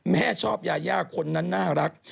แม่ชอบยายาคนนั้นน่ารัก